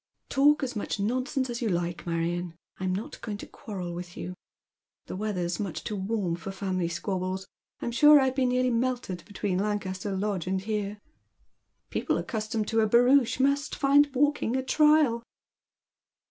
" Talk as much nonsense as you like, Marion, I'm not going to quarrel with you. The weather's much too warm for family squabbles. I'm sure I've been nearly melted between Lancaster Lodge and here." " People accustomed to a barouche must find walking a trial."